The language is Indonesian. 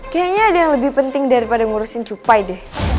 kayaknya ada yang lebih penting daripada ngurusin cupai deh